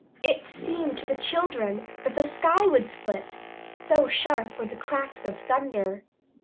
It seemed to the children that the sky would split, so sharp were the cracks of thunder.